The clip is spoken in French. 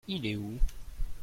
Il est où ?